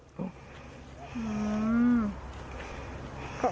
อือ